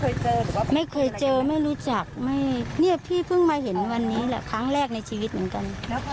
คือเคยเจอหรือว่าไม่เคยเจอไม่รู้จักไม่นี่พี่เพิ่งมาเห็นวันนี้แหละครั้งแรกในชีวิตเหมือนกัน